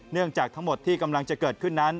เนื่องจากทั้งหมดที่กำลังจะเกิดขึ้นนั้น